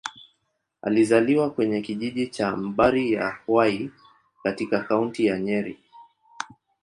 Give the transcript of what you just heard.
Alizaliwa kwenye kijiji cha Mbari-ya-Hwai, katika Kaunti ya Nyeri.